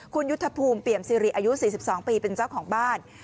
คุณยุทธภูมิเปี่ยมซิริอายุ๔๒ปีเป็นเจ้าของบ้าน